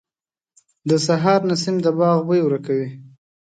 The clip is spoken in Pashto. • د سهار نسیم د باغ بوی ورکوي.